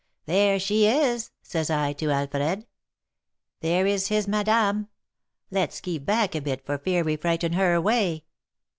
'There she is!' says I to Alfred. 'There is his madame; let's keep back a bit for fear we frighten her away.'